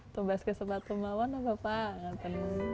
tumpah sepatu mau tidak apa apa